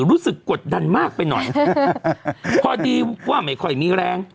รู้สึกกดดันมากไปหน่อยพอดีว่าไม่ค่อยมีแรง